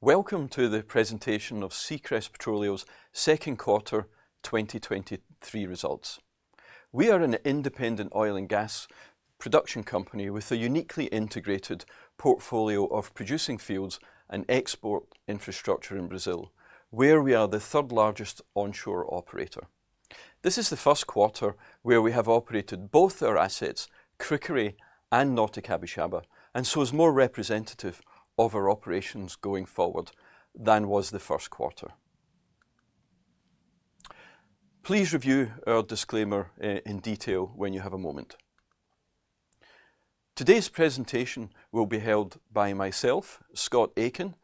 Welcome to the presentation of Seacrest Petroleo's Second Quarter 2023 Results. We are an independent oil and gas production company with a uniquely integrated portfolio of producing fields and export infrastructure in Brazil, where we are the third-largest onshore operator. This is the first quarter where we have operated both our assets, Cricaré and Norte Capixaba, and so is more representative of our operations going forward than was the first quarter. Please review our disclaimer in detail when you have a moment. Today's presentation will be held by myself, Scott Aitken,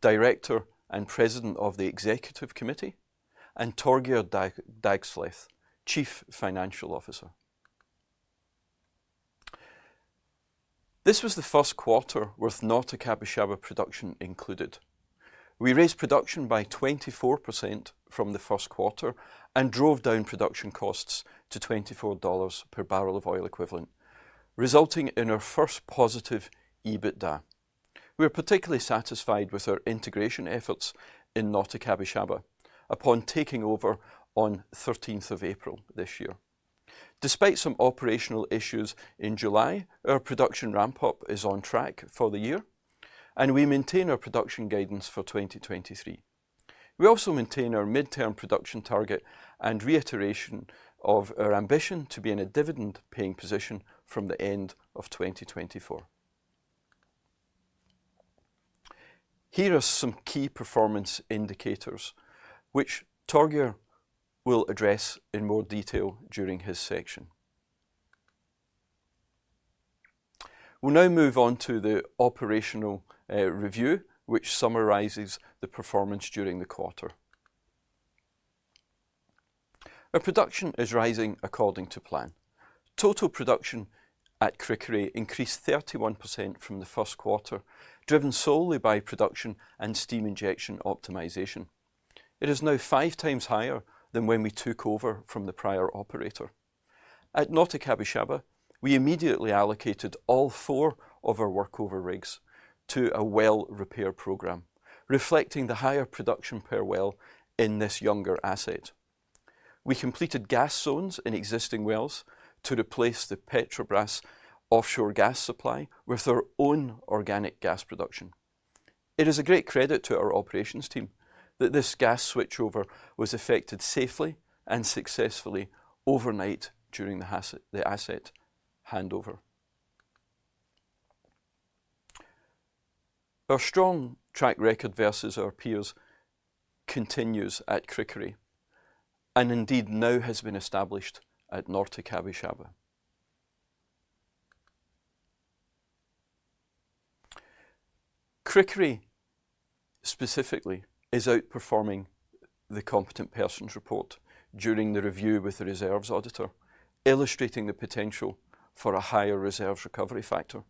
Director and President of the Executive Committee, and Torgeir Dag- Dagsleth, Chief Financial Officer. This was the first quarter with Norte Capixaba production included. We raised production by 24% from the first quarter and drove down production costs to $24 per barrel of oil equivalent, resulting in our first positive EBITDA. We are particularly satisfied with our integration efforts in Norte Capixaba upon taking over on 13th of April this year. Despite some operational issues in July, our production ramp-up is on track for the year, and we maintain our production guidance for 2023. We also maintain our mid-term production target and reiteration of our ambition to be in a dividend-paying position from the end of 2024. Here are some key performance indicators which Torgeir will address in more detail during his section. We'll now move on to the operational review, which summarizes the performance during the quarter. Our production is rising according to plan. Total production at Cricaré increased 31% from the first quarter, driven solely by production and steam injection optimization. It is now five times higher than when we took over from the prior operator. At Norte Capixaba, we immediately allocated all four of our workover rigs to a well repair program, reflecting the higher production per well in this younger asset. We completed gas zones in existing wells to replace the Petrobras offshore gas supply with our own organic gas production. It is a great credit to our operations team that this gas switchover was affected safely and successfully overnight during the asset handover. Our strong track record versus our peers continues at Cricaré, and indeed now has been established at Norte Capixaba. Cricaré, specifically, is outperforming the Competent Person's Report during the review with the reserves auditor, illustrating the potential for a higher reserves recovery factor.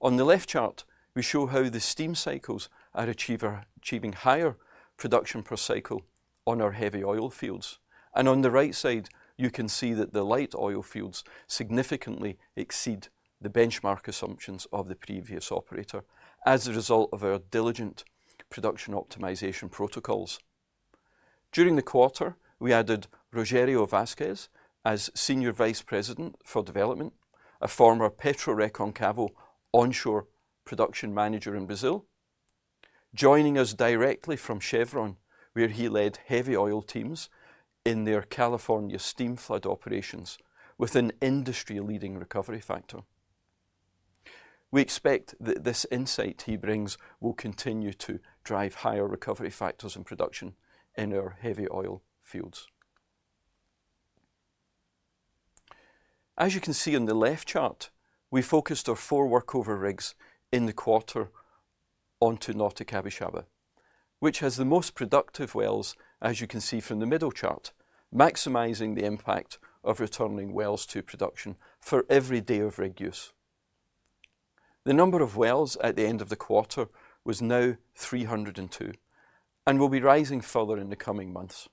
On the left chart, we show how the steam cycles are achieving higher production per cycle on our heavy oil fields, and on the right side, you can see that the light oil fields significantly exceed the benchmark assumptions of the previous operator as a result of our diligent production optimization protocols. During the quarter, we added Rogerio Vazquez as Senior Vice President for Development, a former PetroReconcavo onshore production manager in Brazil, joining us directly from Chevron, where he led heavy oil teams in their California steam flood operations with an industry-leading recovery factor. We expect that this insight he brings will continue to drive higher recovery factors and production in our heavy oil fields. As you can see on the left chart, we focused our four workover rigs in the quarter onto Norte Capixaba, which has the most productive wells, as you can see from the middle chart, maximizing the impact of returning wells to production for every day of rig use. The number of wells at the end of the quarter was now 302 and will be rising further in the coming months.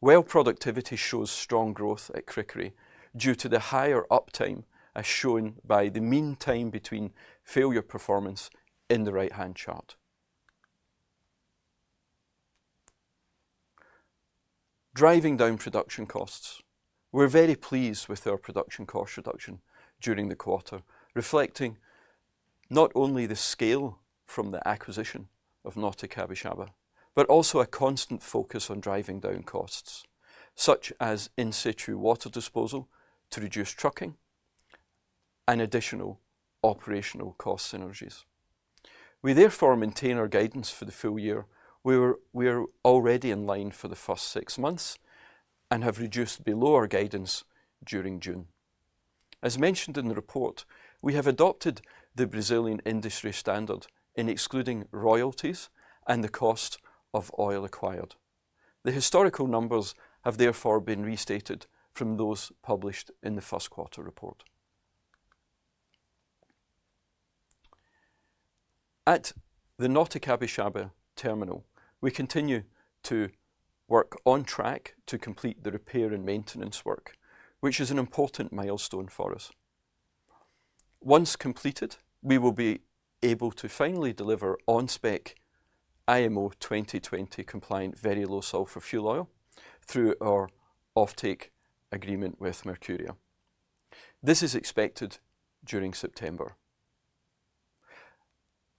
Well, productivity shows strong growth at Cricaré due to the higher uptime, as shown by the mean time between failure performance in the right-hand chart. Driving down production costs. We're very pleased with our production cost reduction during the quarter, reflecting not only the scale from the acquisition of Norte Capixaba, but also a constant focus on driving down costs, such as in situ water disposal to reduce trucking and additional operational cost synergies. We maintain our guidance for the full year. We are already in line for the first six months and have reduced below our guidance during June. As mentioned in the report, we have adopted the Brazilian industry standard in excluding royalties and the cost of oil acquired. The historical numbers have therefore been restated from those published in the first quarter report. At the Terminal Norte Capixaba, we continue to work on track to complete the repair and maintenance work, which is an important milestone for us. Once completed, we will be able to finally deliver on-spec IMO 2020 compliant Very Low Sulphur Fuel Oil through our offtake agreement with Mercuria. This is expected during September.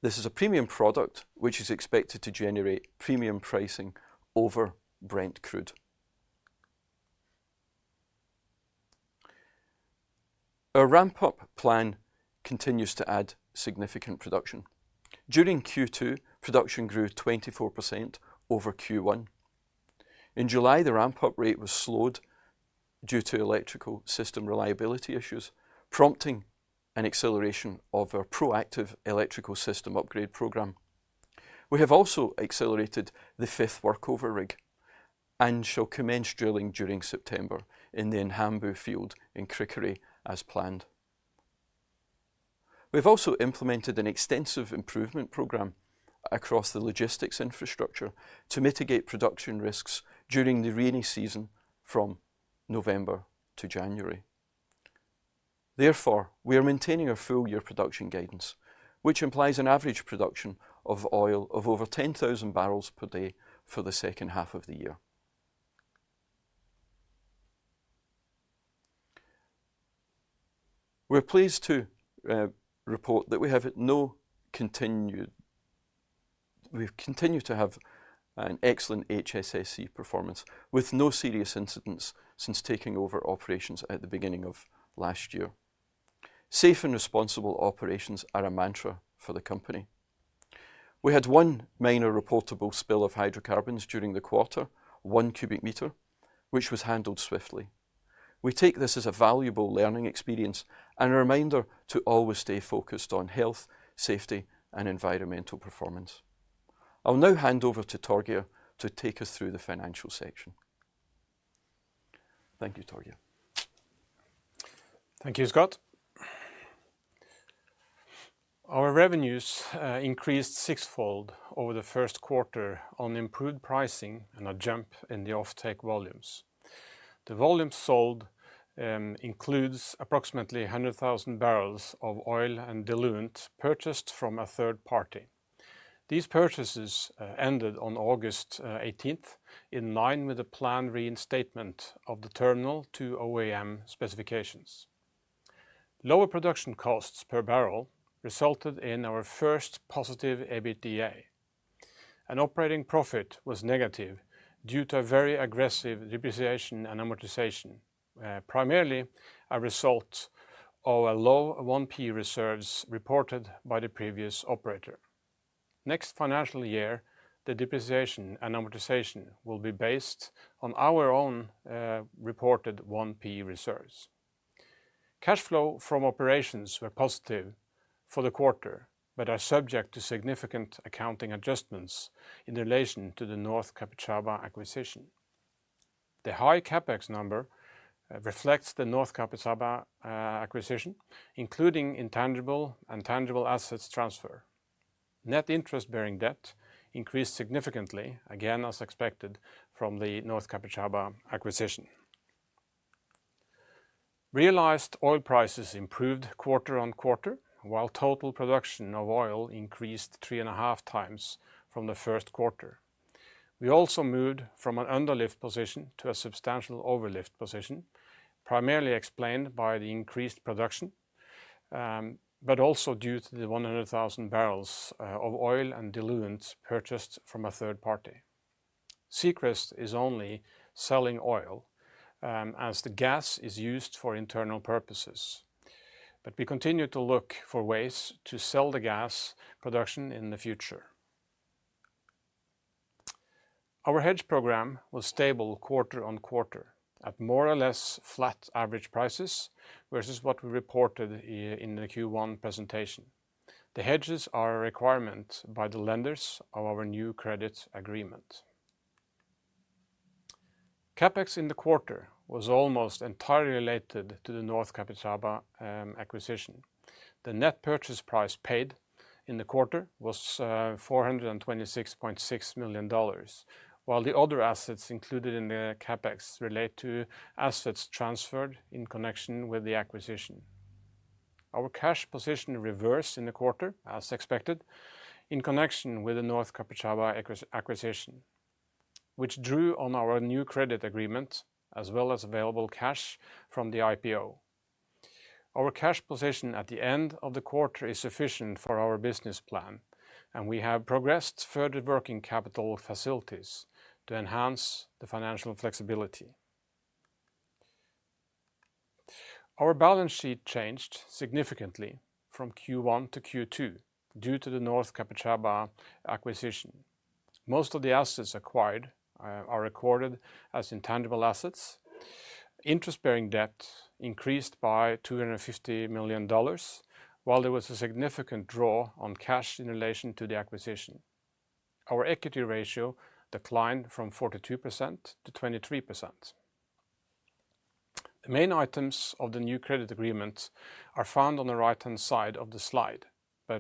This is a premium product, which is expected to generate premium pricing over Brent Crude. Our ramp-up plan continues to add significant production. During Q2, production grew 24% over Q1. July, the ramp-up rate was slowed due to electrical system reliability issues, prompting an acceleration of our proactive electrical system upgrade program. We have also accelerated the fifth workover rig and shall commence drilling during September in the Inhambu field in Cricaré as planned. We've also implemented an extensive improvement program across the logistics infrastructure to mitigate production risks during the rainy season from November to January. We are maintaining our full year production guidance, which implies an average production of oil of over 10,000 barrels per day for the second half of the year. We're pleased to report that we've continued to have an excellent HSSE performance, with no serious incidents since taking over operations at the beginning of last year. Safe and responsible operations are a mantra for the company. We had one minor reportable spill of hydrocarbons during the quarter, one cubic meter, which was handled swiftly. We take this as a valuable learning experience and a reminder to always stay focused on health, safety, and environmental performance. I'll now hand over to Torgeir to take us through the financial section. Thank you, Torgeir. Thank you, Scott. Our revenues increased sixfold over the first quarter on improved pricing and a jump in the offtake volumes. The volume sold includes approximately 100,000 barrels of oil and diluent purchased from a third party. These purchases ended on August 18th, in line with the planned reinstatement of the terminal to OAM specifications. Lower production costs per barrel resulted in our first positive EBITDA. An operating profit was negative due to a very aggressive depreciation and amortization, primarily a result of a low 1P reserves reported by the previous operator. Next financial year, the depreciation and amortization will be based on our own reported 1P reserves. Cash flow from operations were positive for the quarter, but are subject to significant accounting adjustments in relation to the Norte Capixaba acquisition. The high CapEx number reflects the Norte Capixaba acquisition, including intangible and tangible assets transfer. Net interest-bearing debt increased significantly, again, as expected from the Norte Capixaba acquisition. Realized oil prices improved quarter on quarter, while total production of oil increased 3.5X from the 1st quarter. We also moved from an underlift position to a substantial overlift position, primarily explained by the increased production, but also due to the 100,000 barrels of oil and diluent purchased from a third party. Seacrest is only selling oil, as the gas is used for internal purposes. We continue to look for ways to sell the gas production in the future. Our hedge program was stable quarter on quarter, at more or less flat average prices versus what we reported in the Q1 presentation. The hedges are a requirement by the lenders of our new credit agreement. CapEx in the quarter was almost entirely related to the Norte Capixaba acquisition. The net purchase price paid in the quarter was $426.6 million, while the other assets included in the CapEx relate to assets transferred in connection with the acquisition. Our cash position reversed in the quarter, as expected, in connection with the Norte Capixaba acquisition, which drew on our new credit agreement, as well as available cash from the IPO. Our cash position at the end of the quarter is sufficient for our business plan, and we have progressed further working capital facilities to enhance the financial flexibility. Our balance sheet changed significantly from Q1 to Q2 due to the Norte Capixaba acquisition. Most of the assets acquired are recorded as intangible assets. Interest-bearing debt increased by $250 million, while there was a significant draw on cash in relation to the acquisition. Our equity ratio declined from 42%-23%. The main items of the new credit agreement are found on the right-hand side of the slide,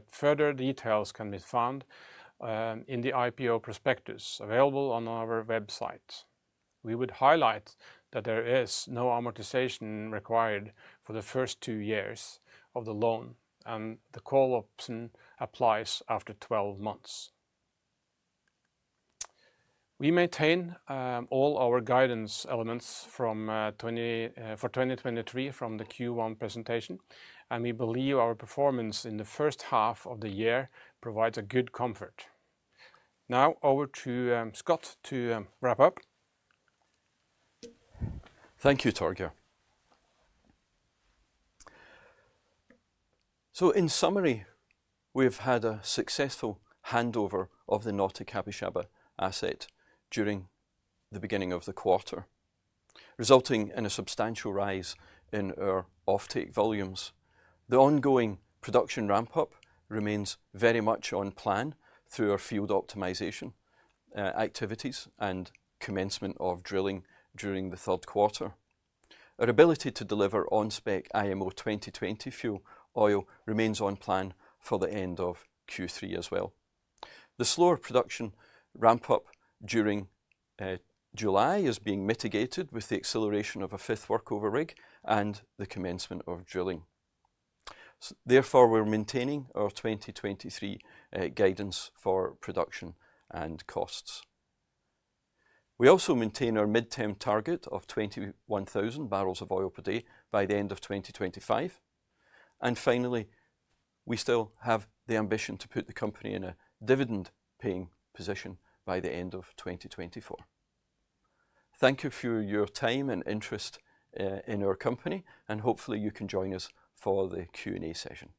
further details can be found in the IPO prospectus, available on our website. We would highlight that there is no amortization required for the first two years of the loan, and the call option applies after 12 months. We maintain all our guidance elements for 2023 from the Q1 presentation, and we believe our performance in the first half of the year provides a good comfort. Now over to Scott to wrap up. Thank you, Torgeir. In summary, we've had a successful handover of the Norte Capixaba asset during the beginning of the quarter, resulting in a substantial rise in our offtake volumes. The ongoing production ramp-up remains very much on plan through our field optimization activities and commencement of drilling during the third quarter. Our ability to deliver on-spec IMO 2020 fuel oil remains on plan for the end of Q3 as well. The slower production ramp-up during July is being mitigated with the acceleration of a fifth workover rig and the commencement of drilling. Therefore, we're maintaining our 2023 guidance for production and costs. We also maintain our mid-term target of 21,000 barrels of oil per day by the end of 2025. Finally, we still have the ambition to put the company in a dividend-paying position by the end of 2024. Thank you for your time and interest, in our company, and hopefully you can join us for the Q&A session.